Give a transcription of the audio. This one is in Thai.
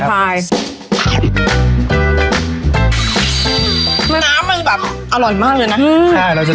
น้ำมันแบบอร่อยมากเลยนะ